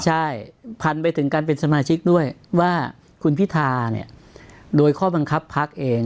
ใช่พันไปถึงการเป็นสมาชิกด้วยว่าคุณพิธาเนี่ยโดยข้อบังคับพักเอง